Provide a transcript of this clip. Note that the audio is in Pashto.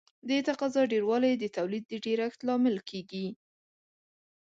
د تقاضا ډېروالی د تولید د ډېرښت لامل کیږي.